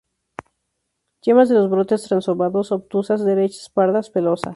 Yemas de los brotes transovado-obtusas, derechas, pardas, pelosas.